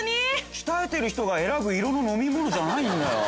鍛えてる人が選ぶ色の飲み物じゃないんだよ。